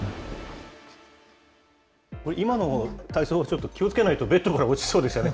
今の体操、ちょっと気をつけないと、ベッドから落ちそうでしたね。